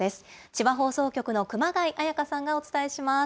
千葉放送局の熊谷彩花さんがお伝えします。